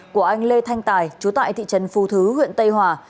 của anh lê thanh tài trú tại thị trấn phú thứ huyện tây hòa